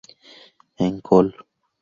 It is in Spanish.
En col.